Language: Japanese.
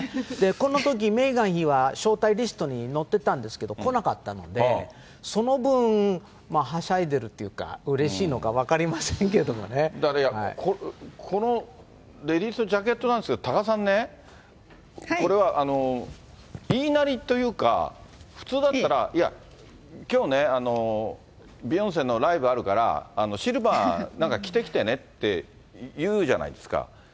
このとき、メーガン妃は招待リストに載ってたんですけど、来なかったので、その分、はしゃいでるっていうか、うれしいのか分かりませんけどもだから、このレディースのジャケットなんですが、多賀さんね、これは言いなりというか、普通だったら、いや、きょうね、ビヨンセのライブあるから、シルバー、なんか着てきてねって言うじゃないですか。